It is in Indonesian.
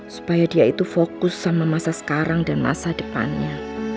supaya dia itu fokus sama masa sekarang dan masa depannya